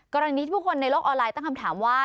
กรณีที่ผู้คนในโลกออนไลน์ตั้งคำถามว่า